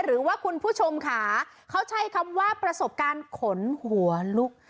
คุณผู้ชมค่ะเขาใช้คำว่าประสบการณ์ขนหัวลุก